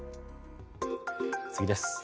次です。